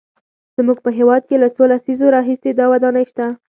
زموږ په هېواد کې له څو لسیزو راهیسې دا ودانۍ شته.